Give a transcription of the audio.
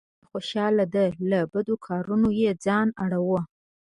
کورنۍ یې پرې خوشحاله ده؛ له بدو کارونو یې ځان اړووه.